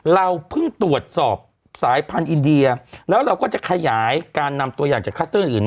เราเพิ่งตรวจสอบสายพันธุ์อินเดียแล้วเราก็จะขยายการนำตัวอย่างจากคัสเตอร์อื่น